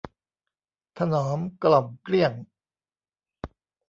ถนอมกล่อมเกลี้ยง